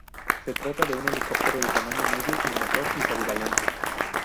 Se trata de un helicóptero de tamaño medio, bimotor y polivalente.